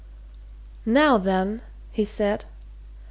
"Now then," he said.